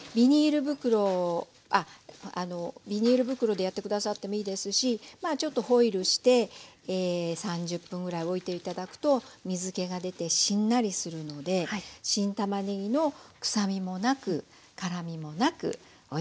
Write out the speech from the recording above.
ビニール袋でやって下さってもいいですしちょっとホイルして３０分ぐらいおいて頂くと水けが出てしんなりするので新たまねぎの臭みもなく辛みもなくおいしい状態になります。